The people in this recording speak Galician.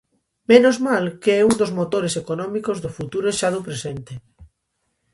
Menos mal que é un dos motores económicos do futuro e xa do presente.